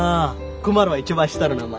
クマラは一番下の名前。